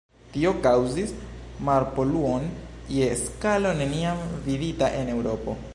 Tio kaŭzis marpoluon je skalo neniam vidita en Eŭropo.